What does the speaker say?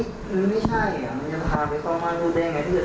ก็ไม่ได้หมายความว่าจะมาอยู่ด้วยอะไรนี้ใช่ไหมคะ